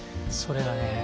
それがね。